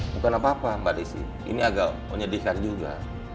bukan apa apa mbak desi ini agak menyedihkan juga